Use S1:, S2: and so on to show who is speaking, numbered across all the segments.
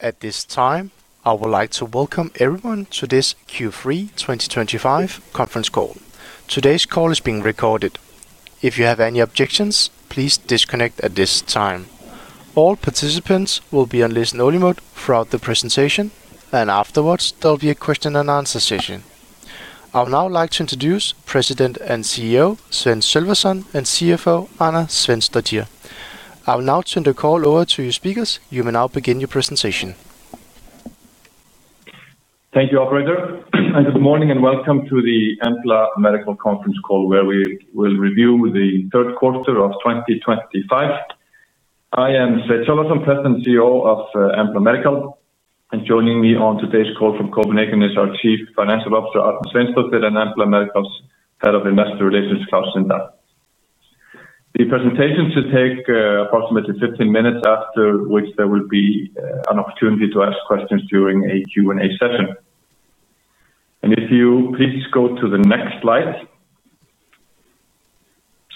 S1: At this time, I would like to welcome everyone to this Q3 2025 conference call. Today's call is being recorded. If you have any objections, please disconnect at this time. All participants will be on listen-only mode throughout the presentation, and afterwards, there will be a question-and-answer session. I would now like to introduce President and CEO Sveinn Sölvason and CFO Arna Sveinsdóttir. I will now turn the call over to your speakers. You may now begin your presentation.
S2: Thank you, operator. Good morning and welcome to the Embla Medical conference call, where we will review the third quarter of 2025. I am Sveinn Sölvason, President and CEO of Embla Medical. Joining me on today's call from Copenhagen is our Chief Financial Officer, Arna Sveinsdóttir, and Embla Medical's Head of Investor Relations, Klaus Linda. The presentation should take approximately 15 minutes, after which there will be an opportunity to ask questions during a Q&A session. Please go to the next slide.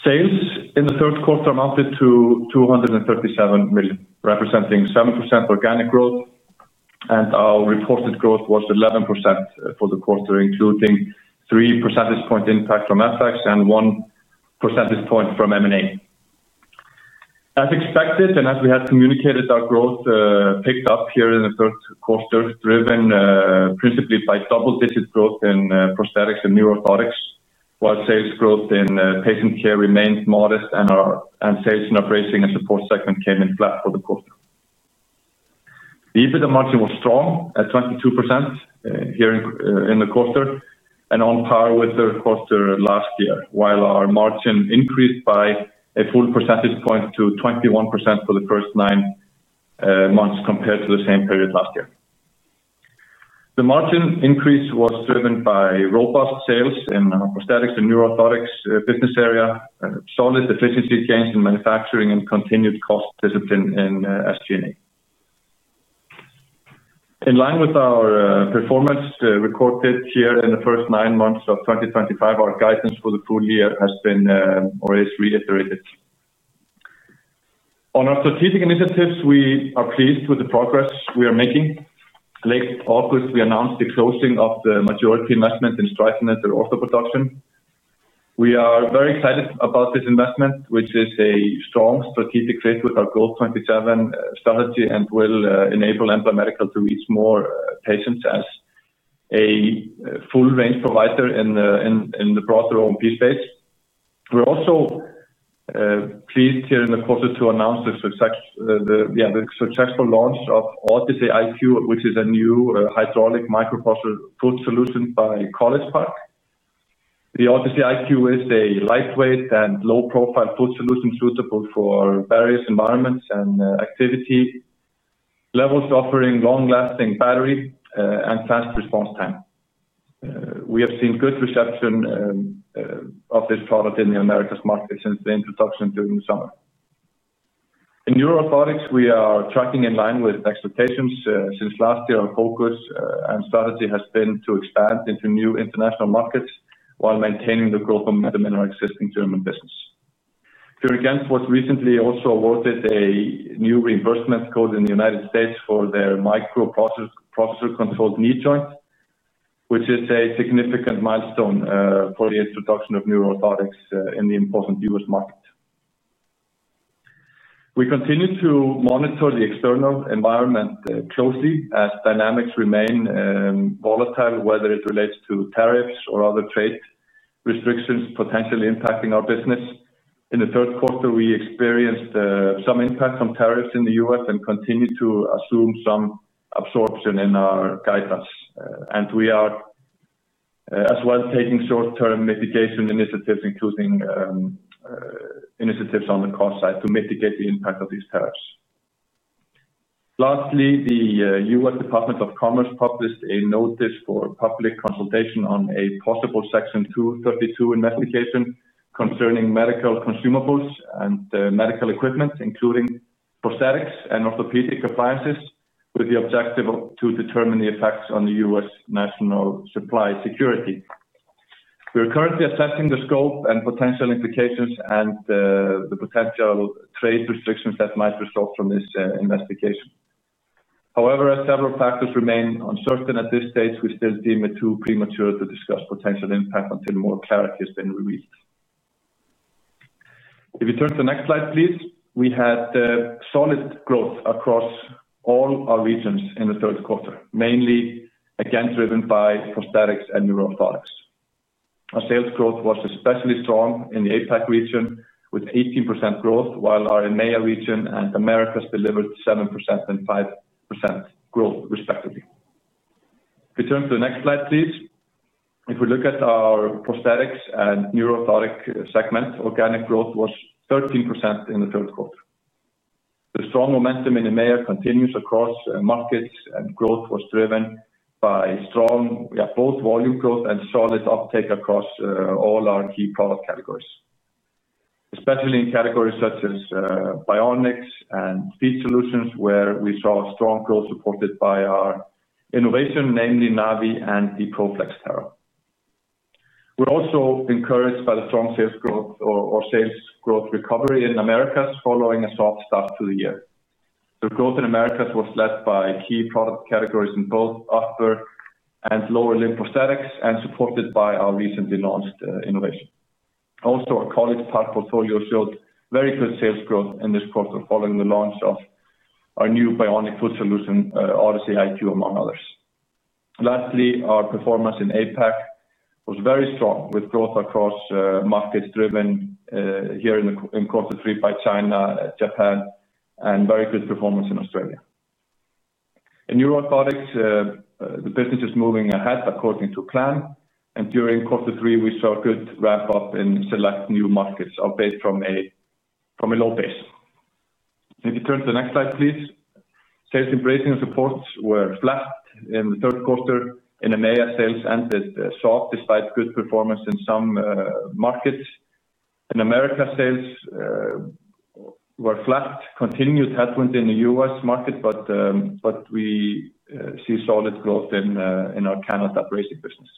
S2: Sales in the third quarter amounted to $237 million, representing 7% organic growth. Our reported growth was 11% for the quarter, including 3 percentage points impact from FX and 1 percentage point from M&A. As expected, and as we had communicated, our growth picked up here in the third quarter, driven principally by double-digit growth in prosthetics and new orthotics, while sales growth in patient care remains modest, and sales in Bracing & Supports segment came in flat for the quarter. The EBITDA margin was strong at 22% here in the quarter and on par with the third quarter last year, while our margin increased by a full percentage point to 21% for the first nine months compared to the same period last year. The margin increase was driven by robust sales in our prosthetics and new orthotics business area, solid efficiency gains in manufacturing, and continued cost discipline in SG&A. In line with our performance recorded here in the first nine months of 2025, our guidance for the full year has been already reiterated. On our strategic initiatives, we are pleased with the progress we are making. In late August, we announced the closing of the majority investment in Streifeneder Ortho.Production. We are very excited about this investment, which is a strong strategic fit with our GOAL27 strategy and will enable Embla Medical to reach more patients as a full-range provider in the broader O&P space. We are also pleased here in the quarter to announce the successful launch of Artis eIQ, which is a new hydraulic microprocessor foot solution by College Park. The Artis IQ is a lightweight and low-profile foot solution suitable for various environments and activity levels, offering long-lasting battery and fast response time. We have seen good reception of this product in the Americas market since the introduction during the summer. In new orthotics, we are tracking in line with expectations. Since last year, our focus and strategy has been to expand into new international markets while maintaining the growth of the main existing German business. Fior & Gentz was recently also awarded a new reimbursement code in the U.S. for their microprocessor-controlled knee joint, which is a significant milestone for the introduction of new orthotics in the important U.S. market. We continue to monitor the external environment closely as dynamics remain volatile, whether it relates to tariffs or other trade restrictions potentially impacting our business. In the third quarter, we experienced some impacts from tariffs in the U.S. and continue to assume some absorption in our guidance. We are as well taking short-term mitigation initiatives, including initiatives on the cost side, to mitigate the impact of these tariffs. Lastly the U.S. Department of Commerce published a notice for public consultation on a possible Section 232 investigation concerning medical consumables and medical equipment, including prosthetics and orthopedic appliances, with the objective to determine the effects on the U.S. national supply security. We are currently assessing the scope and potential implications and the potential trade restrictions that might result from this investigation. However, as several factors remain uncertain at this stage, we still deem it too premature to discuss potential impact until more clarity has been revealed. If you turn to the next slide, please, we had solid growth across all our regions in the third quarter, mainly again driven by prosthetics and new orthotics. Our sales growth was especially strong in the APAC region, with 18% growth, while our EMEA region and Americas delivered 7% and 5% growth, respectively. If you turn to the next slide, please. If we look at our prosthetics and new orthotic segment, organic growth was 13% in the third quarter. The strong momentum in EMEA continues across markets, and growth was driven by strong, both volume growth and solid uptake across all our key product categories, especially in categories such as bionics and bionic solutions, where we saw strong growth supported by our innovation, namely Naviii and the Pro-Flex Terra. We're also encouraged by the strong sales growth or sales growth recovery in Americas following a soft start to the year. The growth in Americas was led by key product categories in both upper and lower limb prosthetics and supported by our recently launched innovation. Also, our College Park portfolio showed very good sales growth in this quarter following the launch of our new bionic foot solution, Artis eIQ, among others. Lastly, our performance in APAC was very strong, with growth across markets driven here in the quarter three by China, Japan, and very good performance in Australia. In new orthotics, the business is moving ahead according to plan. During quarter three, we saw a good ramp-up in select new markets, albeit from a low base. If you turn to the next slide, please. Sales in bracing and supports were flat in the third quarter. In EMEA, sales ended soft despite good performance in some markets. In Americas, sales were flat. Continued headwind in the U.S. market, but we see solid growth in our Canada bracing business.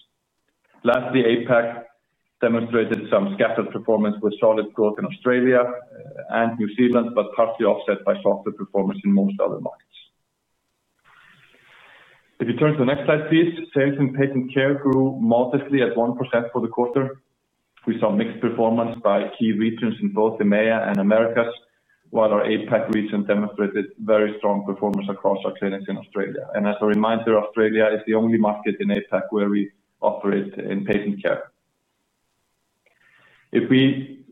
S2: Lastly, APAC demonstrated some scattered performance with solid growth in Australia and New Zealand, but partially offset by softer performance in most other markets. If you turn to the next slide, please. Sales in patient care grew modestly at 1% for the quarter. We saw mixed performance by key regions in both EMEA and Americas, while our APAC region demonstrated very strong performance across our clinics in Australia. As a reminder, Australia is the only market in APAC where we operate in patient care. If we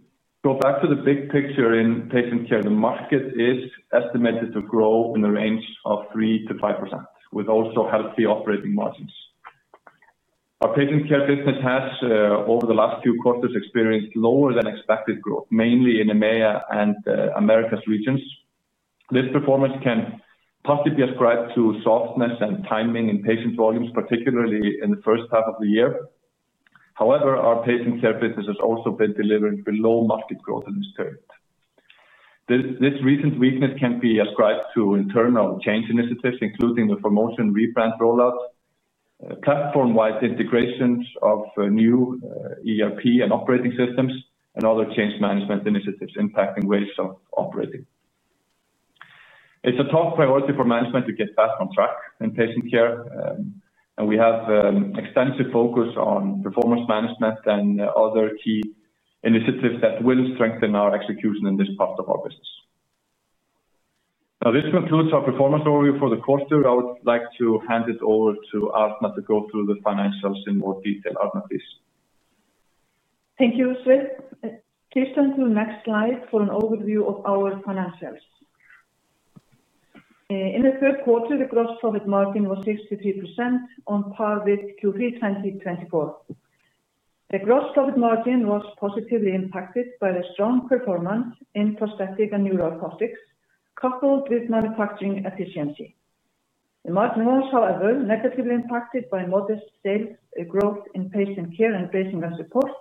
S2: go back to the big picture in patient care, the market is estimated to grow in the range of 3%-5%, with also healthy operating margins. Our patient care business has over the last few quarters experienced lower than expected growth, mainly in EMEA and Americas regions. This performance can partly be ascribed to softness and timing in patient volumes, particularly in the first half of the year. However, our patient care business has also been delivering below-market growth in this period. This recent weakness can be ascribed to internal change initiatives, including the promotion rebrand rollout, platform-wide integrations of new ERP and operating systems, and other change management initiatives impacting ways of operating. It's a top priority for management to get back on track in patient care. We have an extensive focus on performance management and other key initiatives that will strengthen our execution in this part of our business. This concludes our performance overview for the quarter. I would like to hand it over to Arna to go through the financials in more detail. Arna, please.
S3: Thank you, Sveinn. Please turn to the next slide for an overview of our financials. In the third quarter, the gross profit margin was 63%, on par with Q3 2024. The gross profit margin was positively impacted by the strong performance in prosthetics and new orthotics, coupled with manufacturing efficiency. The margin was, however, negatively impacted by modest sales growth in patient care and bracing and supports,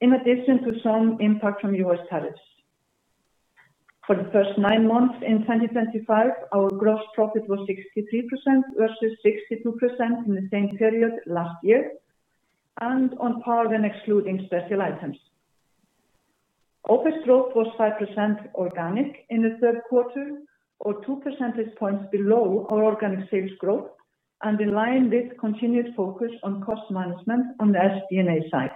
S3: in addition to some impact from U.S. tariffs. For the first nine months in 2025, our gross profit was 63% versus 62% in the same period last year, and on par when excluding special items. OpEx growth was 5% organic in the third quarter, or 2 percentage points below our organic sales growth, and in line with continued focus on cost management on the SG&A side.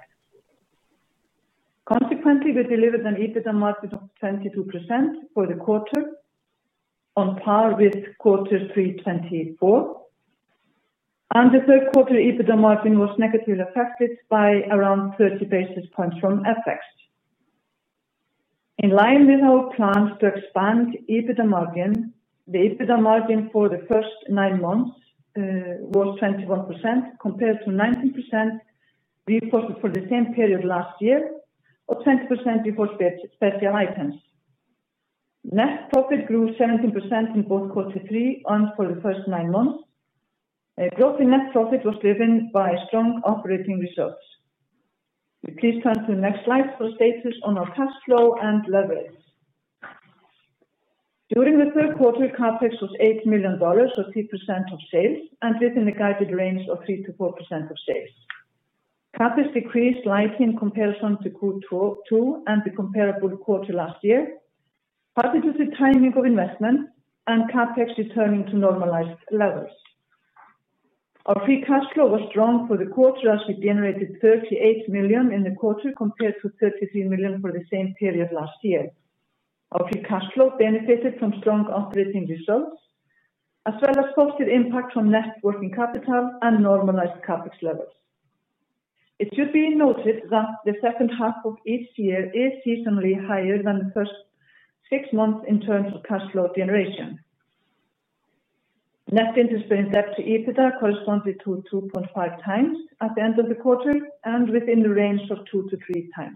S3: Consequently, we delivered an EBITDA margin of 22% for the quarter, on par with Q3 2024. The third quarter EBITDA margin was negatively affected by around 30 basis points from FX. In line with our plans to expand EBITDA margin, the EBITDA margin for the first nine months was 21% compared to 19% reported for the same period last year, or 20% before special items. Net profit grew 17% in both Q3 and for the first nine months. Growth in net profit was driven by strong operating results. Please turn to the next slide for a status on our cash flow and leverage. During the third quarter, CapEx was $8 million, or 3% of sales, and within the guided range of 3%-4% of sales. CapEx decreased slightly in comparison to Q2 and the comparable quarter last year, partly due to timing of investment and CapEx returning to normalized levels. Our free cash flow was strong for the quarter, as we generated $38 million in the quarter compared to $33 million for the same period last year. Our free cash flow benefited from strong operating results, as well as positive impact from net working capital and normalized CapEx levels. It should be noted that the second half of each year is seasonally higher than the first six months in terms of cash flow generation. Net debt EBITDA corresponded to 2.5x at the end of the quarter and within the range of 2x-3x.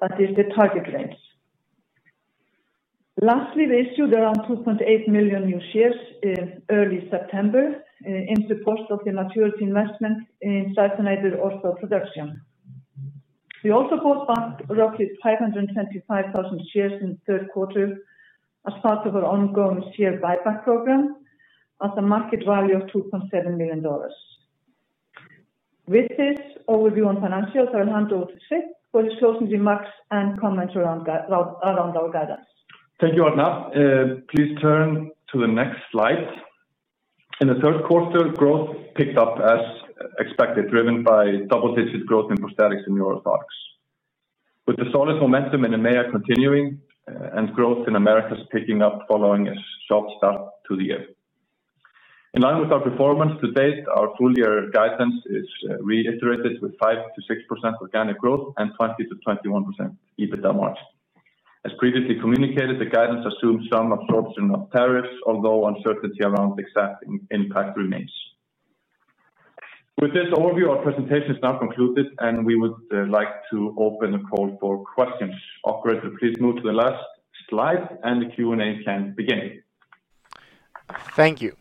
S3: That is the target range. Lastly, we issued around 2.8 million new shares in early September in support of the majority investment in Streifeneder Ortho.Production. We also bought back roughly 525,000 shares in the third quarter as part of our ongoing share buyback program, at a market value of $2.7 million. With this overview on financials, I will hand over to Sveinn for his closing remarks and comments around our guidance.
S2: Thank you, Arna. Please turn to the next slide. In the third quarter, growth picked up as expected, driven by double-digit growth in prosthetics and new orthotics, with the solid momentum in EMEA continuing and growth in Americas picking up following a soft start to the year. In line with our performance to date, our full-year guidance is reiterated with 5%-6% organic growth and 20% to 21% EBITDA margin. As previously communicated, the guidance assumes some absorption of tariffs, although uncertainty around the exact impact remains. With this overview, our presentation is now concluded, and we would like to open the call for questions. Operator, please move to the last slide, and the Q&A can begin.
S1: Thank you.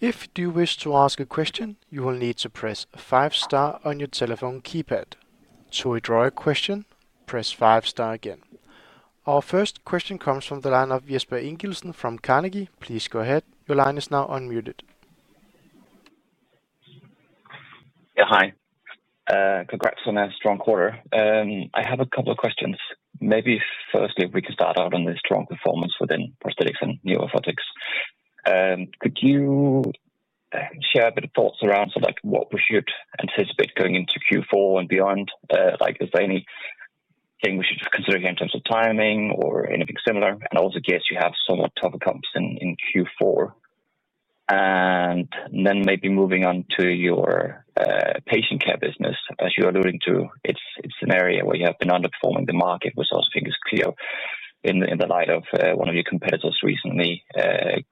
S1: If you wish to ask a question, you will need to press five star on your telephone keypad. To withdraw a question, press five star again. Our first question comes from the line of Jesper Ingildsen from Carnegie. Please go ahead. Your line is now unmuted.
S4: Yeah, hi. Congrats on a strong quarter. I have a couple of questions. Maybe firstly, if we can start out on the strong performance within prosthetics and new orthotics. Could you share a bit of thoughts around sort of like what we should anticipate going into Q4 and beyond? Is there anything we should consider here in terms of timing or anything similar? I also guess you have somewhat tougher comps in Q4. Maybe moving on to your patient care business, as you're alluding to, it's an area where you have been underperforming the market, which I also think is clear in the light of one of your competitors recently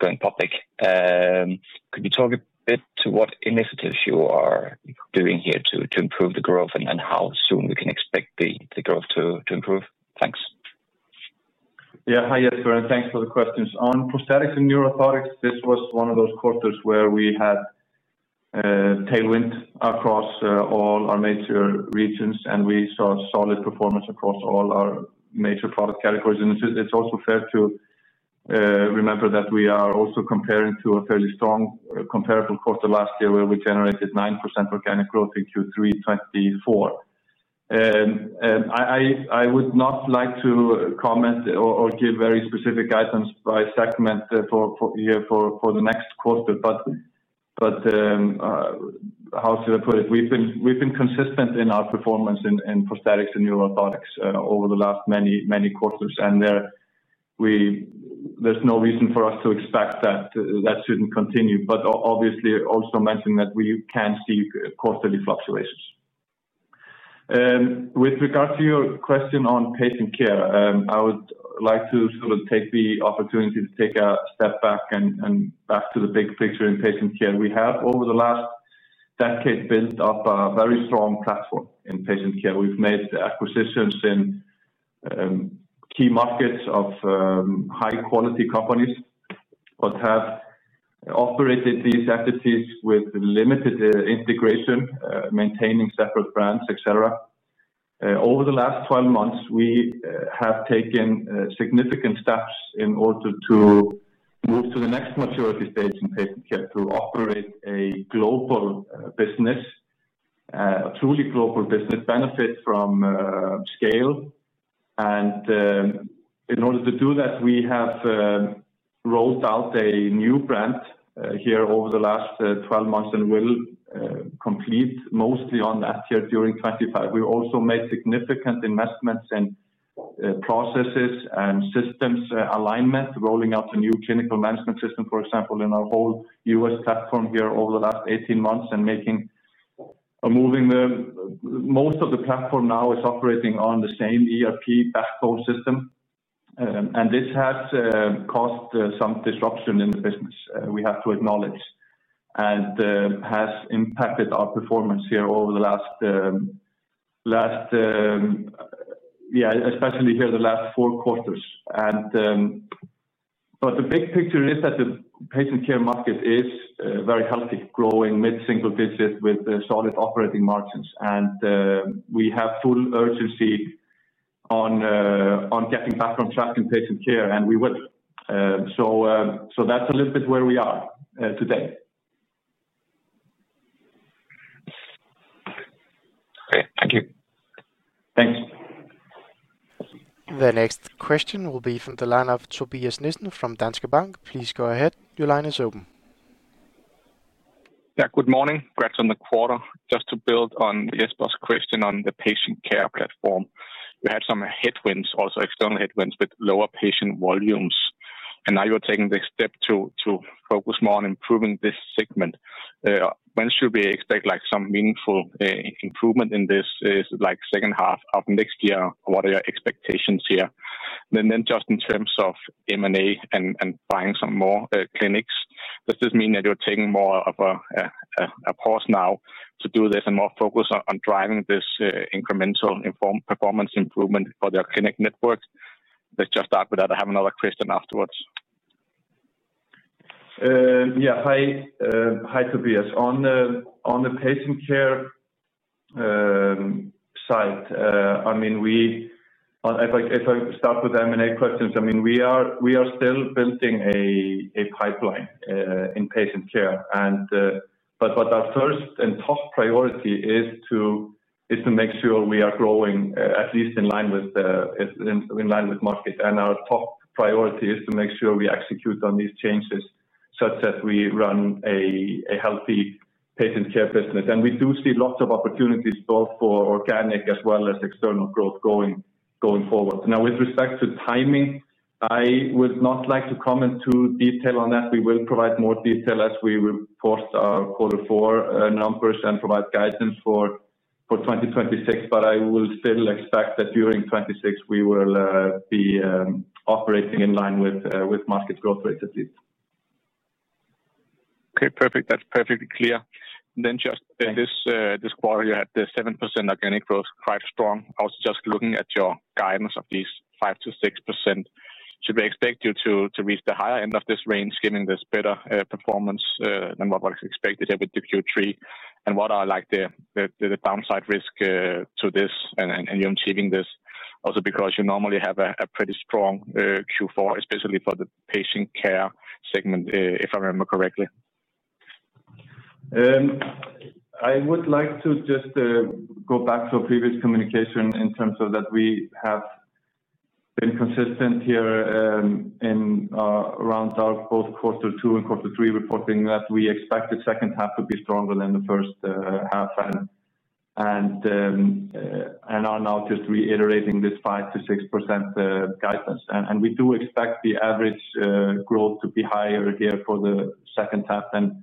S4: going public. Could you talk a bit to what initiatives you are doing here to improve the growth and how soon we can expect the growth to improve? Thanks.
S2: Yeah, hi, Jesper, and thanks for the questions. On prosthetics and new orthotics, this was one of those quarters where we had tailwind across all our major regions, and we saw solid performance across all our major product categories. It's also fair to remember that we are also comparing to a fairly strong comparable quarter last year, where we generated 9% organic growth in Q3 2024. I would not like to comment or give very specific items by segment for the next quarter, but how should I put it? We've been consistent in our performance in prosthetics and new orthotics over the last many, many quarters, and there's no reason for us to expect that that shouldn't continue. Obviously, also mention that we can see quarterly fluctuations. With regard to your question on patient care, I would like to sort of take the opportunity to take a step back and back to the big picture in patient care. We have, over the last decade, built up a very strong platform in patient care. We've made acquisitions in key markets of high-quality companies or have operated these entities with limited integration, maintaining separate brands, et cetera. Over the last 12 months, we have taken significant steps in order to move to the next maturity stage in patient care, to operate a global business, a truly global business, benefit from scale. In order to do that, we have rolled out a new brand here over the last 12 months and will complete mostly on that here during 2025. We've also made significant investments in processes and systems alignment, rolling out a new clinical management system, for example, in our whole U.S. platform here over the last 18 months and making a moving the most of the platform now is operating on the same ERP backbone system. This has caused some disruption in the business, we have to acknowledge, and has impacted our performance here over the last, yeah, especially here the last four quarters. The big picture is that the patient care market is very healthy, growing mid-single digit with solid operating margins. We have full urgency on getting back on track in patient care, and we will. That's a little bit where we are today.
S4: Great. Thank you.
S2: Thanks.
S1: The next question will be from the line of Tobias Nissen from Danske Bank. Please go ahead. Your line is open.
S5: Good morning. Congrats on the quarter. Just to build on Jesper's question on the patient care platform, we had some headwinds, also external headwinds with lower patient volumes. Now you're taking the step to focus more on improving this segment. When should we expect some meaningful improvement in this? Is it the second half of next year? What are your expectations here? In terms of M&A and buying some more clinics, does this mean that you're taking more of a pause now to do this and more focus on driving this incremental performance improvement for your clinic network? Let's just start with that. I have another question afterwards.
S2: Hi, Tobias. On the patient care side, if I start with the M&A questions, we are still building a pipeline in patient care. Our first and top priority is to make sure we are growing at least in line with market. Our top priority is to make sure we execute on these changes such that we run a healthy patient care business. We do see lots of opportunities both for organic as well as external growth going forward. With respect to timing, I would not like to comment too in detail on that. We will provide more detail as we report our quarter four numbers and provide guidance for 2026. I will still expect that during 2026, we will be operating in line with market growth rates at least.
S5: Okay, perfect. That's perfectly clear. Just this quarter, you had the 7% organic growth, quite strong. I was just looking at your guidance of these 5%-6%. Should we expect you to reach the higher end of this range, giving this better performance than what was expected here with the Q3? What are like the downside risks to this and you achieving this? Also, because you normally have a pretty strong Q4, especially for the Patient Care segment, if I remember correctly.
S2: I would like to just go back to a previous communication in terms of that we have been consistent here in around our both quarter two and quarter three reporting that we expect the second half to be stronger than the first half, and are now just reiterating this 5%-6% guidance. We do expect the average growth to be higher here for the second half than the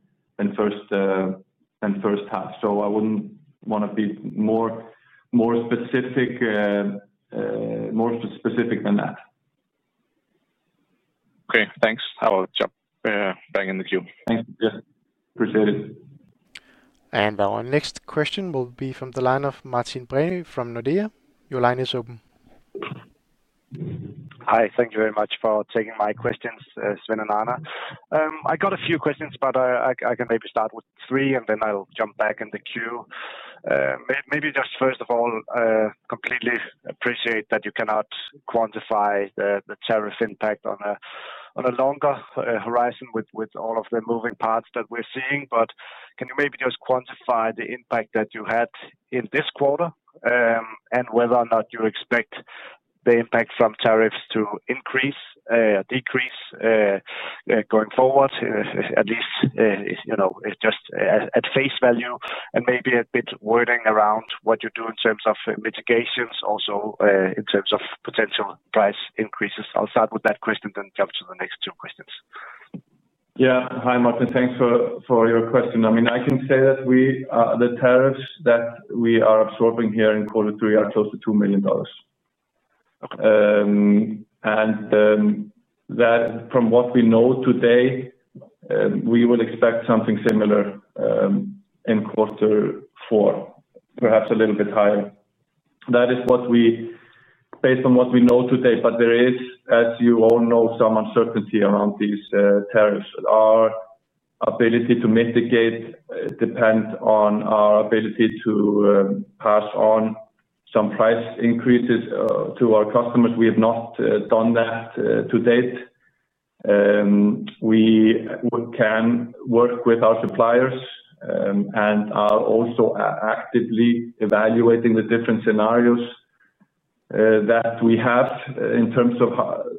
S2: first half. I wouldn't want to be more specific than that.
S5: Okay, thanks. I will jump back in the queue.
S2: Thanks. Yeah, appreciate it.
S1: Our next question will be from the line of Martin Brenøe from Nordea. Your line is open.
S6: Hi. Thank you very much for taking my questions, Sveinn and Arna. I got a few questions, but I can maybe start with three, and then I'll jump back in the queue. Maybe just first of all, completely appreciate that you cannot quantify the tariff impact on a longer horizon with all of the moving parts that we're seeing. Can you maybe just quantify the impact that you had in this quarter and whether or not you expect the impact from tariffs to increase or decrease going forward, at least you know just at face value and maybe a bit wording around what you do in terms of mitigations, also in terms of potential price increases? I'll start with that question, then jump to the next two questions.
S2: Yeah. Hi, Martin. Thanks for your question. I mean, I can say that the tariffs that we are absorbing here in quarter three are close to $2 million, and that, from what we know today, we will expect something similar in quarter four, perhaps a little bit higher. That is based on what we know today. There is, as you all know, some uncertainty around these tariffs. Our ability to mitigate depends on our ability to pass on some price increases to our customers. We have not done that to date. We can work with our suppliers and are also actively evaluating the different scenarios that we have in terms of,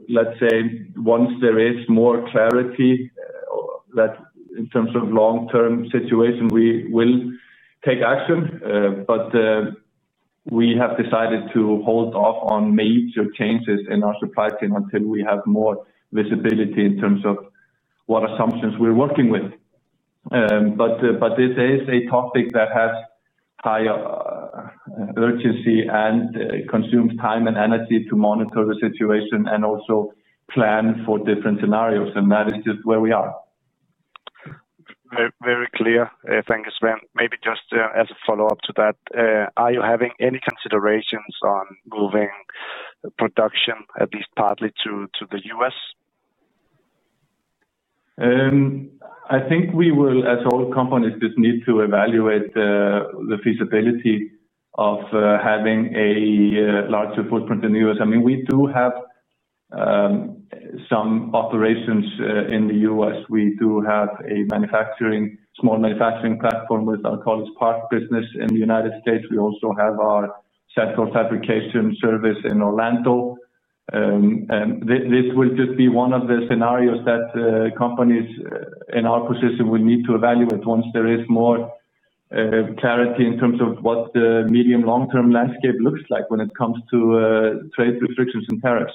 S2: let's say, once there is more clarity that in terms of long-term situation, we will take action. We have decided to hold off on major changes in our supply chain until we have more visibility in terms of what assumptions we're working with. This is a topic that has higher urgency and consumes time and energy to monitor the situation and also plan for different scenarios. That is just where we are.
S6: Very clear. Thank you, Sveinn. Maybe just as a follow-up to that, are you having any considerations on moving production at least partly to the U.S.?
S2: I think we will, as all companies, just need to evaluate the feasibility of having a larger footprint in the U.S. I mean, we do have some operations in the U.S. We do have a small manufacturing platform with our College Park business in the United States. We also have our central fabrication service in Orlando. This will just be one of the scenarios that companies in our position will need to evaluate once there is more clarity in terms of what the medium-long-term landscape looks like when it comes to trade restrictions and tariffs.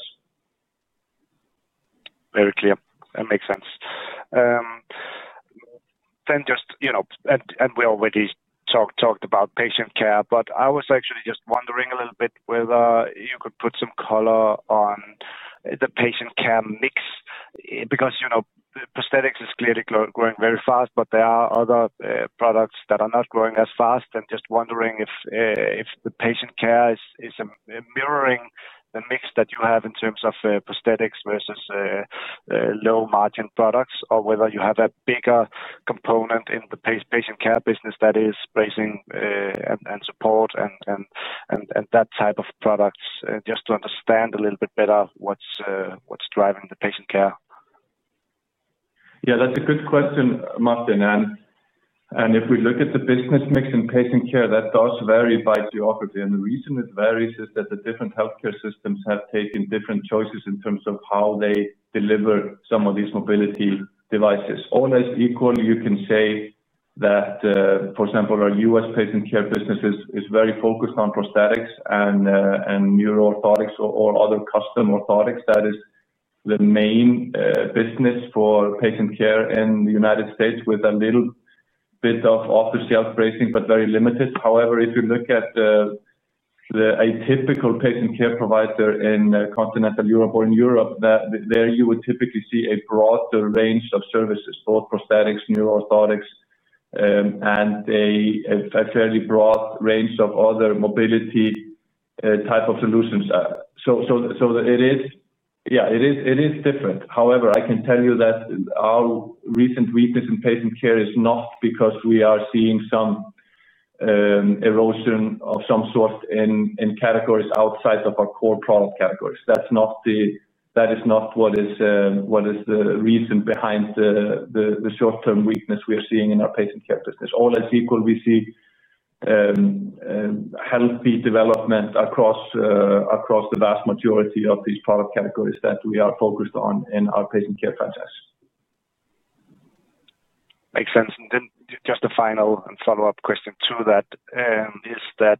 S6: Very clear. That makes sense. I was actually just wondering a little bit whether you could put some color on the patient care mix because, you know, prosthetics is clearly growing very fast, but there are other products that are not growing as fast. Just wondering if the patient care is mirroring the mix that you have in terms of prosthetics versus low-margin products or whether you have a bigger component in the patient care business that is bracing and supports and that type of products, just to understand a little bit better what's driving the patient care.
S2: Yeah, that's a good question, Martin. If we look at the business mix in patient care, that does vary by geography. The reason it varies is that the different healthcare systems have taken different choices in terms of how they deliver some of these mobility devices. Almost equally, you can say that, for example, our U.S. patient care business is very focused on prosthetics and new orthotics or other custom orthotics. That is the main business for patient care in the United States with a little bit of off-the-shelf bracing, but very limited. However, if you look at the typical patient care provider in continental Europe or in Europe, there you would typically see a broader range of services, both prosthetics, new orthotics, and a fairly broad range of other mobility type of solutions. It is different. However, I can tell you that our recent weakness in patient care is not because we are seeing some erosion of some sort in categories outside of our core product categories. That is not what is the reason behind the short-term weakness we are seeing in our patient care business. Almost equally, we see healthy development across the vast majority of these product categories that we are focused on in our patient care franchise.
S6: Makes sense. Just a final and follow-up question to that is that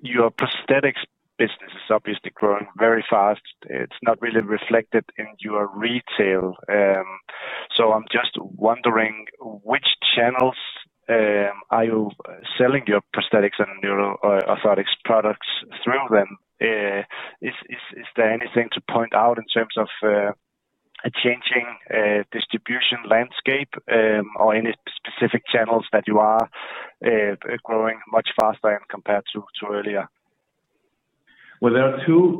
S6: your prosthetics business is obviously growing very fast. It's not really reflected in your retail. I'm just wondering, which channels are you selling your prosthetics and new orthotics products through then? Is there anything to point out in terms of a changing distribution landscape or any specific channels that you are growing much faster in compared to earlier?
S2: There are two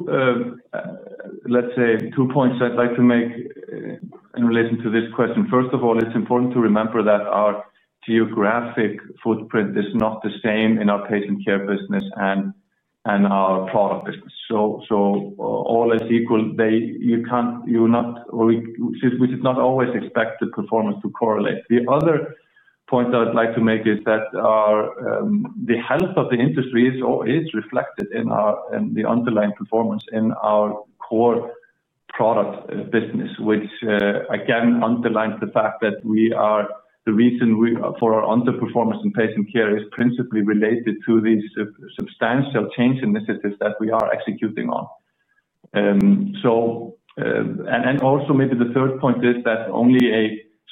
S2: points I'd like to make in relation to this question. First of all, it's important to remember that our geographic footprint is not the same in our Patient Care business and our Product business. Almost equally, you can't, you're not, or we should not always expect the performance to correlate. The other point I would like to make is that the health of the industry is reflected in the underlying performance in our core Product business, which again underlines the fact that the reason for our underperformance in Patient Care is principally related to these substantial change initiatives that we are executing on. Maybe the third point is that only a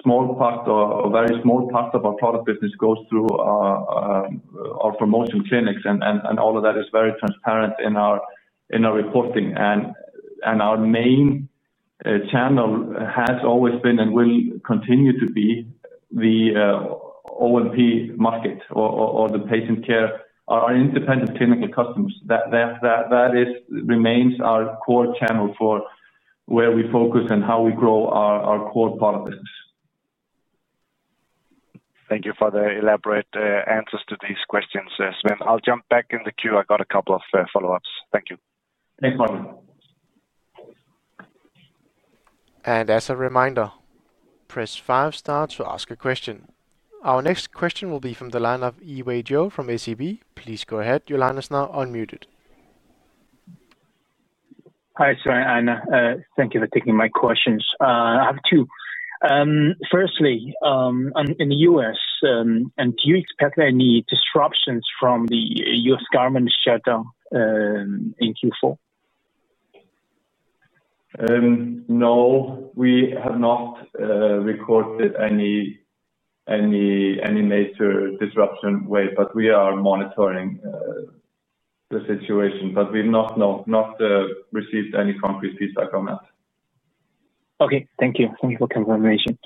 S2: small part or a very small part of our Product business goes through our promotion clinics, and all of that is very transparent in our reporting. Our main channel has always been and will continue to be the O&P market or the Patient Care, our independent clinical customers. That remains our core channel for where we focus and how we grow our core Product business.
S6: Thank you for the elaborate answers to these questions, Sveinn. I'll jump back in the queue. I got a couple of follow-ups. Thank you.
S2: Thanks, Martin.
S1: As a reminder, press five Star to ask a question. Our next question will be from the line of Iwe Jo from ACB. Please go ahead. Your line is now unmuted.
S7: Hi, Arna Sveinn. Thank you for taking my questions. I have two. Firstly, in the U.S., do you expect any disruptions from the U.S. government shutdown in Q4?
S2: No, we have not recorded any major disruption in any way. We are monitoring the situation, and we have not received any concrete feedback on that.
S7: Okay. Thank you. Thank you for confirmation.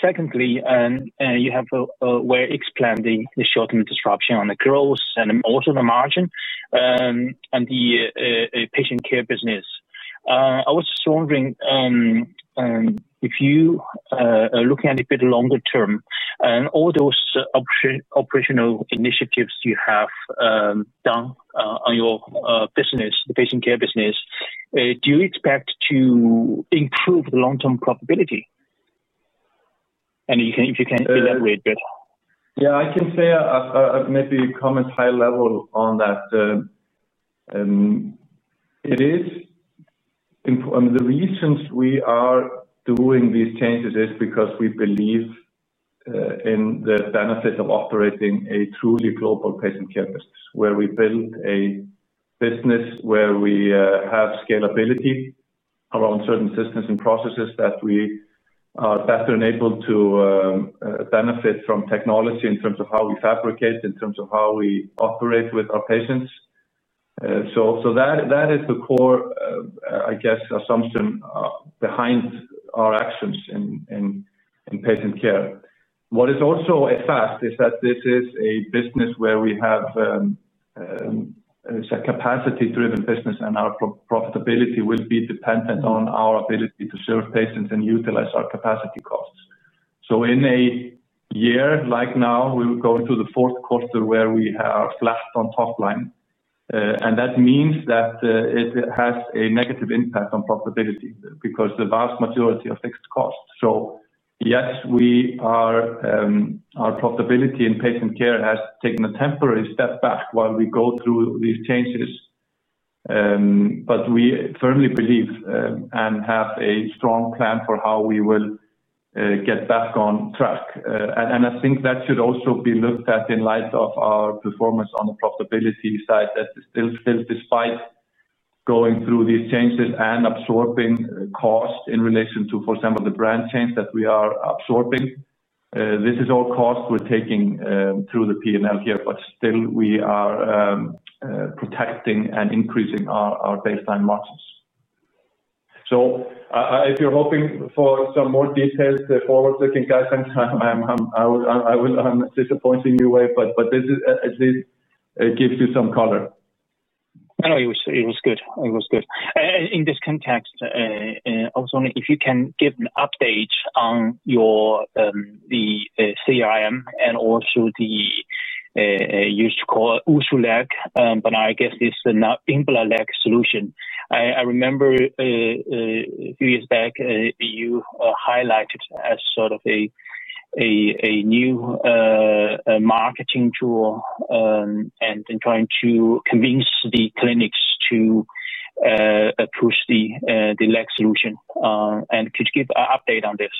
S7: Secondly, you have explained the short-term disruption on the growth and also the margin in the patient care business. I was just wondering, if you are looking at it a bit longer term, and all those operational initiatives you have done on your business, the patient care business, do you expect to improve the long-term profitability? If you can elaborate a bit.
S2: I can say maybe comment high level on that. The reasons we are doing these changes is because we believe in the benefit of operating a truly global patient care business, where we build a business where we have scalability around certain systems and processes that we are better enabled to benefit from technology in terms of how we fabricate, in terms of how we operate with our patients. That is the core, I guess, assumption behind our actions in patient care. What is also a fact is that this is a business where we have, it's a capacity-driven business, and our profitability will be dependent on our ability to serve patients and utilize our capacity costs. In a year like now, we were going through the fourth quarter where we are flat on top line. That means that it has a negative impact on profitability because the vast majority affects cost. Yes, our profitability in patient care has taken a temporary step back while we go through these changes. We firmly believe and have a strong plan for how we will get back on track. I think that should also be looked at in light of our performance on the profitability side that is still, despite going through these changes and absorbing cost in relation to, for example, the brand change that we are absorbing. This is all cost we're taking through the P&L here, but still we are protecting and increasing our baseline margins. If you're hoping for some more details, the forward-looking guidance, I'm disappointing in a way, but this at least gives you some color.
S7: No, it was good. It was good. In this context, I was wondering if you can give an update on your CRM and also the used to call EmblaLeg, but now I guess it's now EmblaLeg solution. I remember a few years back you highlighted as sort of a new marketing tool and trying to convince the clinics to push the leg solution. Could you give an update on this?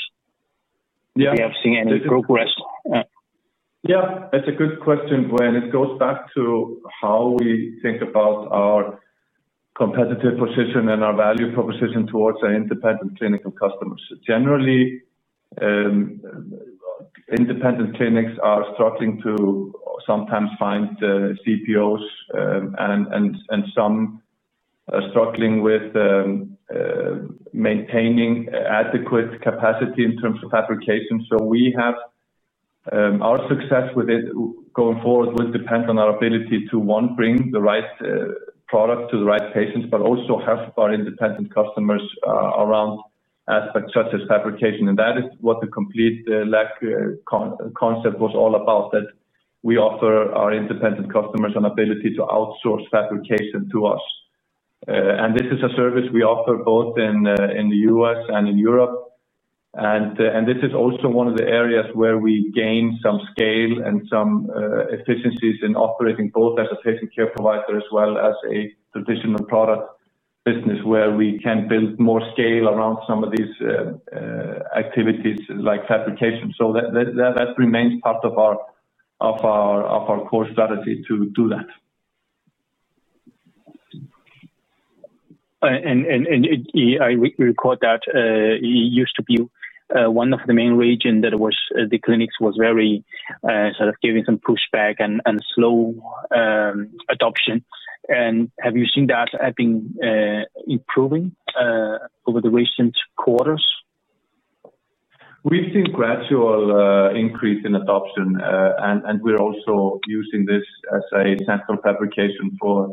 S2: Yeah.
S7: Have you seen any progress?
S2: Yeah, it's a good question. When it goes back to how we think about our competitive position and our value proposition towards our independent clinical customers, generally, independent clinics are struggling to sometimes find CPOs, and some are struggling with maintaining adequate capacity in terms of fabrication. We have our success with it going forward will depend on our ability to, one, bring the right product to the right patients, but also have our independent customers around aspects such as fabrication. That is what the complete leg concept was all about, that we offer our independent customers an ability to outsource fabrication to us. This is a service we offer both in the U.S. and in Europe. This is also one of the areas where we gain some scale and some efficiencies in operating both as a patient care provider as well as a traditional product business where we can build more scale around some of these activities like fabrication. That remains part of our core strategy to do that.
S7: We record that it used to be one of the main regions that the clinics were very sort of giving some pushback and slow adoption. Have you seen that improving over the recent quarters?
S2: We've seen a gradual increase in adoption, and we're also using this as a central fabrication for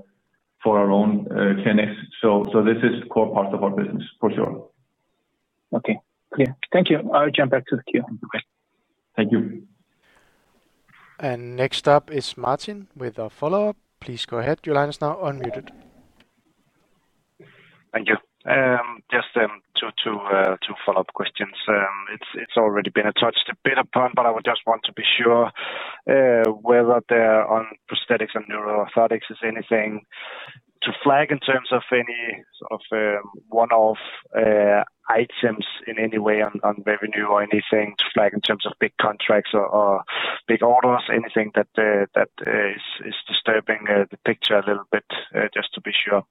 S2: our own clinics. This is a core part of our business, for sure.
S7: Okay. Thank you. I'll jump back to the queue.
S2: Thank you.
S1: Next up is Martin with a follow-up. Please go ahead. Your line is now unmuted.
S6: Thank you. Just two follow-up questions. It's already been touched a bit upon, but I would just want to be sure whether there on prosthetics and new orthotics is anything to flag in terms of any sort of one-off items in any way on revenue or anything to flag in terms of big contracts or big orders, anything that is disturbing the picture a little bit, just to be sure.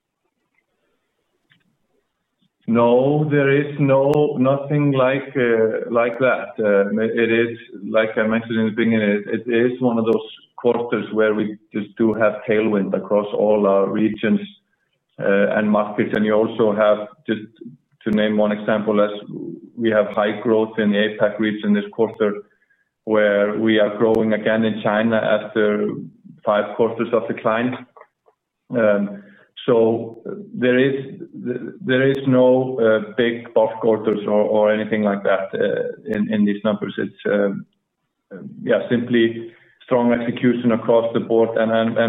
S2: No, there is nothing like that. It is, like I mentioned in the beginning, it is one of those quarters where we just do have tailwind across all our regions and markets. You also have, just to name one example, we have high growth in the APAC region this quarter where we are growing again in China after five quarters of decline. There is no big boss quarters or anything like that in these numbers. It's simply strong execution across the board.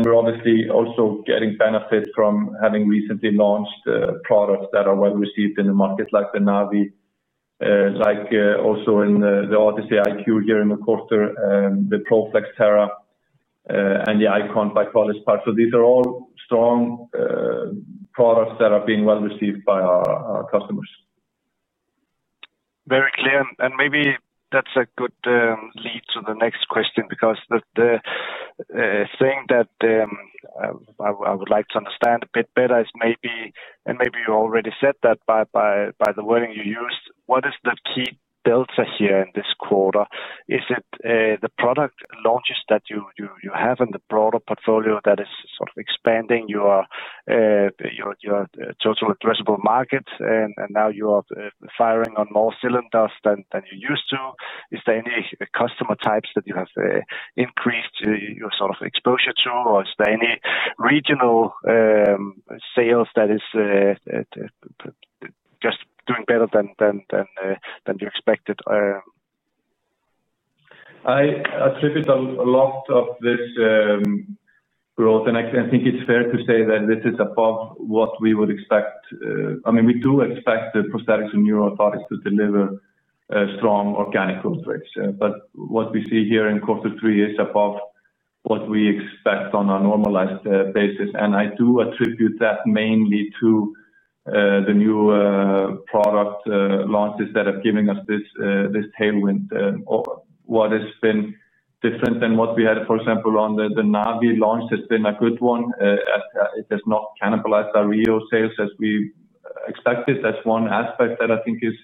S2: We're obviously also getting benefits from having recently launched products that are well received in the markets like the Navii, like also the Artis eIQ here in the quarter, the Pro-Flex Terra, and the ICON by College Park. These are all strong products that are being well received by our customers.
S6: Very clear. Maybe that's a good lead to the next question because the thing that I would like to understand a bit better is maybe, and maybe you already said that by the wording you used, what is the key delta here in this quarter? Is it the product launches that you have in the broader portfolio that is sort of expanding your total addressable market, and now you are firing on more cylinders than you used to? Is there any customer types that you have increased your sort of exposure to, or is there any regional sales that is just doing better than you expected?
S2: I attribute a lot of this growth, and I think it's fair to say that this is above what we would expect. I mean, we do expect the prosthetics and new orthotics to deliver strong organic growth rates. What we see here in quarter three is above what we expect on a normalized basis. I do attribute that mainly to the new product launches that are giving us this tailwind. What has been different than what we had, for example, on the Navii launch has been a good one. It has not cannibalized our Rheo sales as we expected. That's one aspect that I think is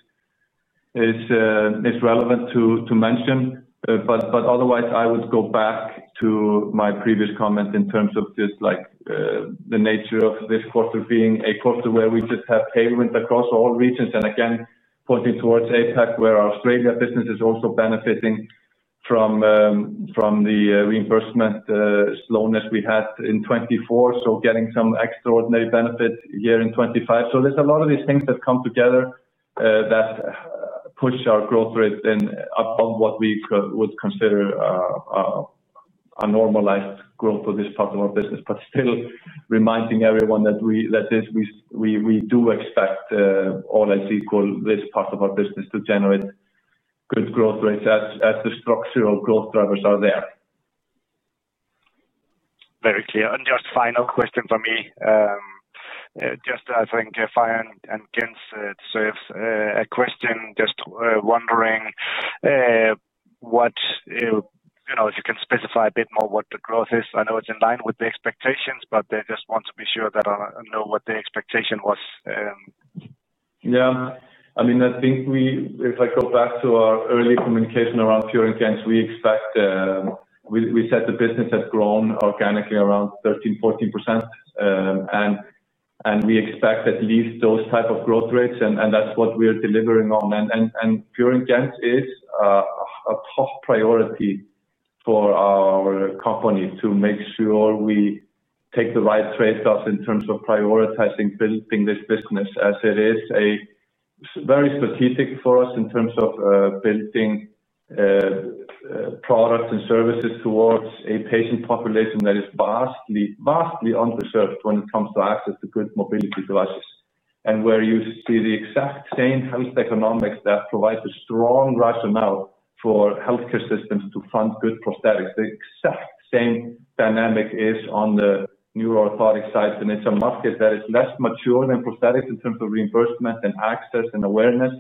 S2: relevant to mention. Otherwise, I would go back to my previous comment in terms of just like the nature of this quarter being a quarter where we just have tailwind across all regions. Again, pointing towards APAC, where our Australia business is also benefiting from the reimbursement slowness we had in 2024, getting some extraordinary benefit here in 2025. There are a lot of these things that come together that push our growth rate above what we would consider a normalized growth of this part of our business. Still reminding everyone that we do expect almost equal this part of our business to generate good growth rates as the structural growth drivers are there.
S6: Very clear. Just final question for me. I think Fior & Gentz serves a question, just wondering what, you know, if you can specify a bit more what the growth is. I know it's in line with the expectations, but they just want to be sure that I know what the expectation was.
S2: Yeah. I mean, I think we, if I go back to our early communication around Fior & Gentz, we expect, we said the business had grown organically around 13%, 14%. We expect at least those types of growth rates, and that's what we're delivering on. Fior & Gentz is a top priority for our company to make sure we take the right trade dust in terms of prioritizing building this business as it is very strategic for us in terms of building products and services towards a patient population that is vastly underserved when it comes to access to good mobility devices. You see the exact same health economics that provide the strong rationale for healthcare systems to fund good prosthetics, the exact same dynamic is on the new orthotic side. It's a market that is less mature than prosthetics in terms of reimbursement and access and awareness.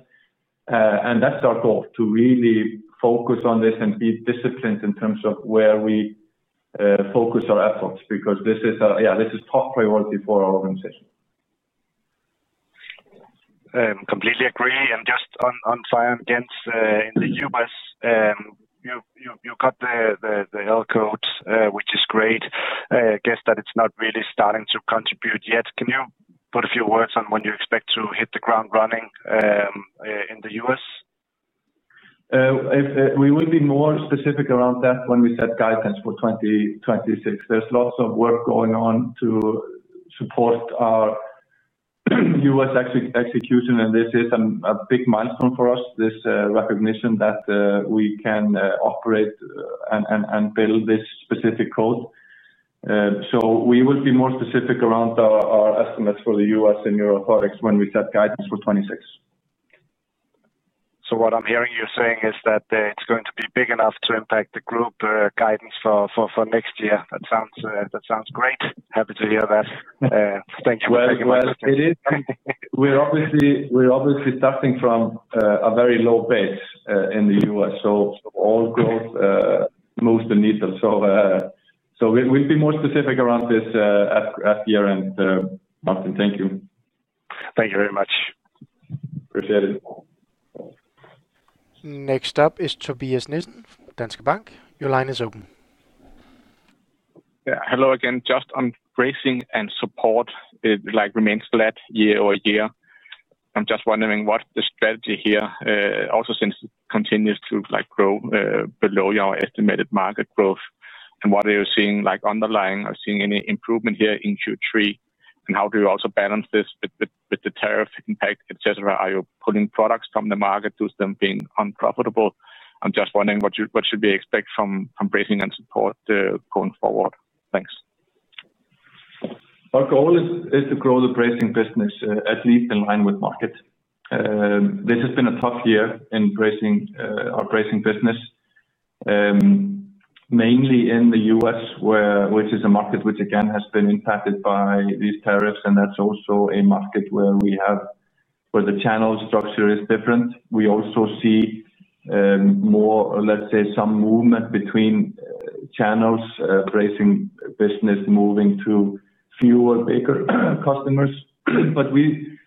S2: That's our goal, to really focus on this and be disciplined in terms of where we focus our efforts because this is a, yeah, this is top priority for our organization.
S6: Completely agree. Just on Fior & Gentz in the U.S., you got the L code, which is great. I guess that it's not really starting to contribute yet. Can you put a few words on when you expect to hit the ground running in the U.S.?
S2: We will be more specific around that when we set guidance for 2026. There's lots of work going on to support our U.S. execution, and this is a big milestone for us, this recognition that we can operate and build this specific code. We will be more specific around our estimates for the U.S. and new orthotics when we set guidance for 2026.
S6: I'm hearing you're saying that it's going to be big enough to impact the group guidance for next year. That sounds great. Happy to hear that. Thank you for taking my question.
S2: We're obviously starting from a very low base in the U.S., so all growth moves the needle. We'll be more specific around this as year ends. Martin, thank you.
S6: Thank you very much.
S2: Appreciate it.
S1: Next up is Tobias Nissen from Danske Bank. Your line is open.
S5: Hello again. Just on bracing and supports, it remains flat year-over-year. I'm just wondering what the strategy is here, also since it continues to grow below your estimated market growth, and what are you seeing underlying? Are you seeing any improvement here in Q3? How do you also balance this with the tariff impact, et cetera? Are you pulling products from the market, do them being unprofitable? I'm just wondering what should we expect from bracing and supports going forward? Thanks.
S2: Our goal is to grow the bracing business at least in line with market. This has been a tough year in our bracing business, mainly in the U.S., which is a market which again has been impacted by these tariffs. That is also a market where the channel structure is different. We also see more, let's say, some movement between channels, bracing business moving to fewer bigger customers. We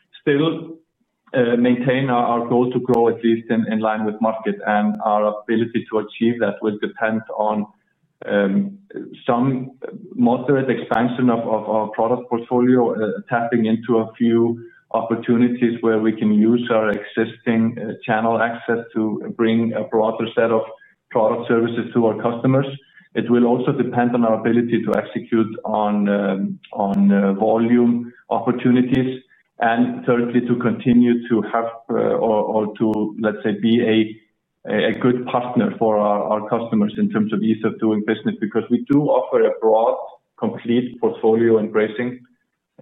S2: still maintain our goal to grow at least in line with market. Our ability to achieve that will depend on some moderate expansion of our product portfolio, tapping into a few opportunities where we can use our existing channel access to bring a broader set of product services to our customers. It will also depend on our ability to execute on volume opportunities. Thirdly, to continue to have or to, let's say, be a good partner for our customers in terms of ease of doing business because we do offer a broad, complete portfolio in bracing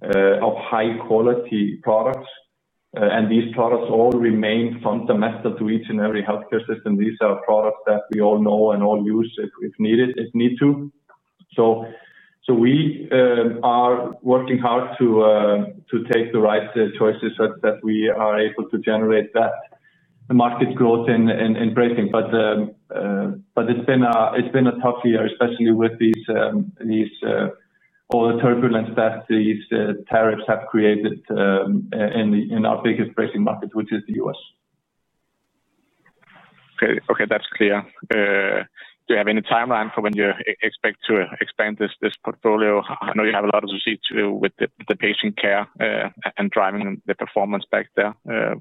S2: of high-quality products. These products all remain fundamental to each and every healthcare system. These are products that we all know and all use if needed, if need to. We are working hard to take the right choices such that we are able to generate that market growth in bracing. It's been a tough year, especially with all the turbulence that these tariffs have created in our biggest bracing market, which is the U.S.
S5: Okay, that's clear. Do you have any timeline for when you expect to expand this portfolio? I know you have a lot to see with the patient care and driving the performance back there,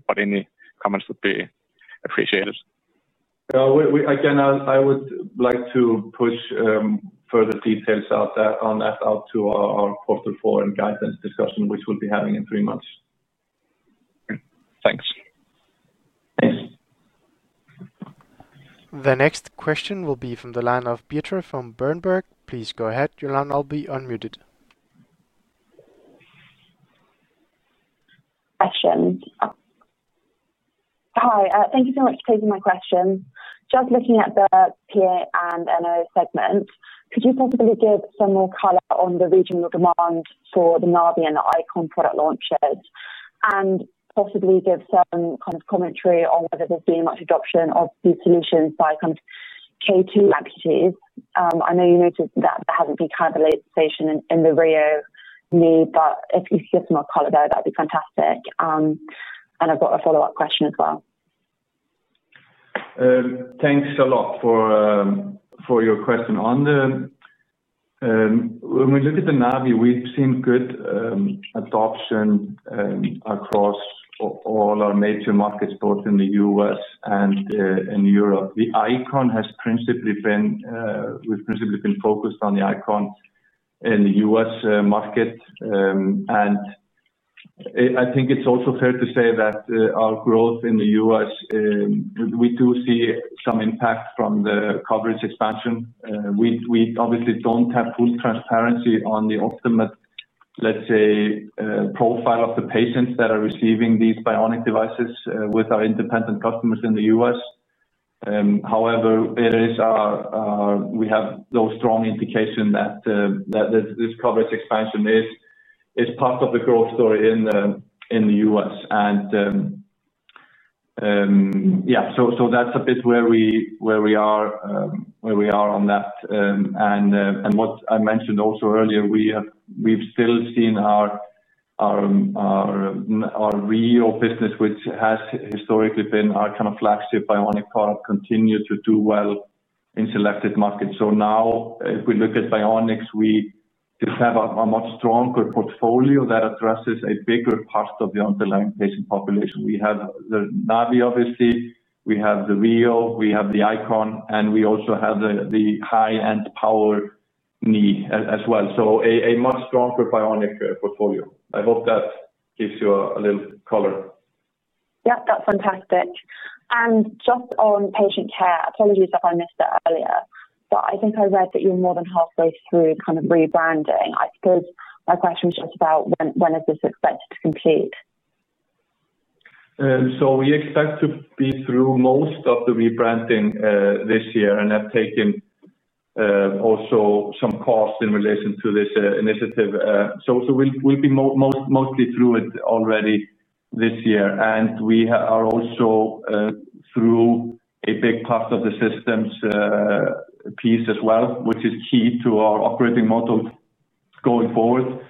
S5: but any comments would be appreciated.
S2: Again, I would like to push further details out on that to our quarter four and guidance discussion, which we'll be having in three months.
S5: Thanks.
S1: The next question will be from the line of Pieter from Berenberg. Please go ahead. Your line will be unmuted.
S8: Hi. Thank you so much for taking my question. Just looking at the PA and NO segment, could you possibly give some more color on the regional demand for the Navii and the ICON product launches and possibly give some kind of commentary on whether there's been much adoption of these solutions by kind of K2 entities? I know you noted that there hasn't been kind of a legislation in the real need, but if you could give some more color there, that would be fantastic. I've got a follow-up question as well. Thanks a lot for your question. When we look at the Navii, we've seen good adoption across all our major markets, both in the U.S. and in Europe. The ICON has principally been, we've principally been focused on the ICON in the U.S. market. I think it's also fair to say that our growth in the U.S., we do see some impact from the coverage expansion. We obviously don't have full transparency on the ultimate, let's say, profile of the patients that are receiving these bionic devices with our independent customers in the U.S. However, we have those strong indications that this coverage expansion is part of the growth story in the U.S. That's a bit where we are on that. What I mentioned also earlier, we've still seen our Rheo business, which has historically been our kind of flagship bionic product, continue to do well in selected markets.
S2: If we look at bionics, we just have a much stronger portfolio that addresses a bigger part of the underlying patient population. We have the Navii, obviously. We have the Rheo. We have the ICON. We also have the high-end power knee as well. A much stronger bionic portfolio. I hope that gives you a little color.
S8: Yeah, that's fantastic. Just on patient care, apologies if I missed that earlier, but I think I read that you're more than halfway through kind of rebranding. I suppose my question was just about when is this expected to complete?
S2: We expect to be through most of the rebranding this year and have taken also some costs in relation to this initiative. We'll be mostly through it already this year. We are also through a big part of the systems piece as well, which is key to our operating model going forward.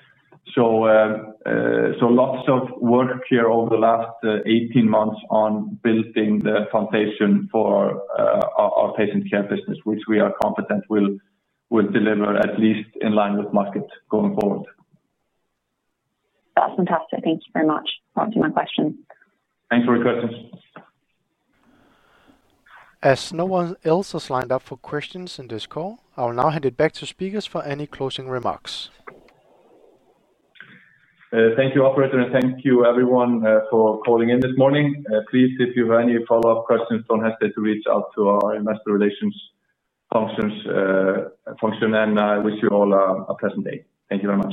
S2: Lots of work here over the last 18 months on building the foundation for our patient care business, which we are confident will deliver at least in line with market going forward.
S8: That's fantastic. Thank you very much. That was my question.
S2: Thanks for your questions.
S1: As no one else has lined up for questions in this call, I will now hand it back to speakers for any closing remarks.
S2: Thank you, operator, and thank you, everyone, for calling in this morning. Please, if you have any follow-up questions, don't hesitate to reach out to our investor relations function. I wish you all a pleasant day. Thank you very much.